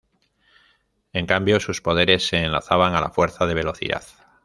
En cambio, sus poderes se enlazaban a la Fuerza de Velocidad.